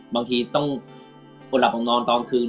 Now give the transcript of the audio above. บางทีต้องปลดหลับปล่องนอนตอนคืน